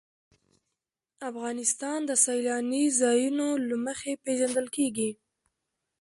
افغانستان د سیلانی ځایونه له مخې پېژندل کېږي.